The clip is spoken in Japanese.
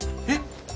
え？